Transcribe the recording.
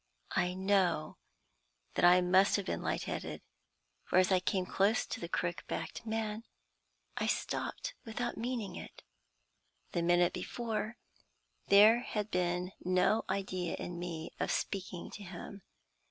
I know that I must have been light headed, for as I came close to the crook backed man I stopped without meaning it. The minute before, there had been no idea in me of speaking to him.